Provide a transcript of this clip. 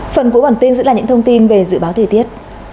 phần cuối bản tin sẽ là những thông tin về dự báo thời tiết